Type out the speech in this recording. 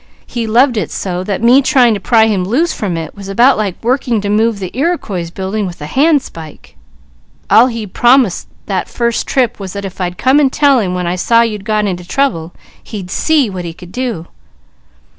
"He loved it so, that me trying to pry him loose from it was about like working to move the Iriquois Building with a handspike. All he'd promise that first trip was that if I'd come and tell him when I saw you'd got into trouble, he'd see what he could do."